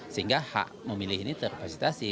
sehingga hak memilih ini terfasilitasi